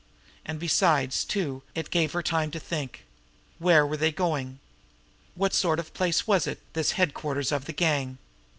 And besides, too, it gave her time to think. Where were they going? What sort of a place was it, this headquarters of the gang?